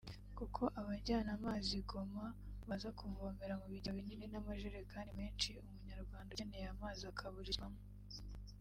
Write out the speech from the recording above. kuko abajyana amazi i Goma baza kuvomera mu bigega binini n’amajerekani menshi umunyarwanda ukeneye amazi akaburizwamo